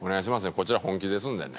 こちら本気ですんでね